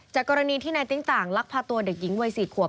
กรณีที่นายติ๊งต่างลักพาตัวเด็กหญิงวัย๔ขวบ